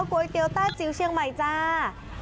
ก๋วยเตี๋ยวแต้จิ๋วเชียงใหม่จ้า